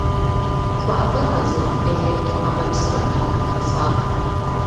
Хуабэ къэзыт электроӏэмэпсымэхэм фахуэсакъ.